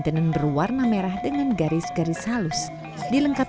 tenun berwarna merah dengan garis garis halus dilengkapi dengan sapuk terbelit di pinggang